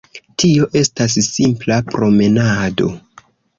Tio estas simpla promenado.